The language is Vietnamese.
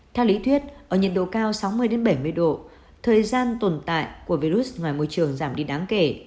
theo lý thuyết ở nhiệt độ cao sáu mươi bảy mươi độ thời gian tồn tại của virus ngoài môi trường giảm đi đáng kể